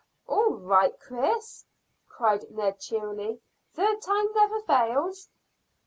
"All right, Chris," cried Ned cheerily; "third time never fails."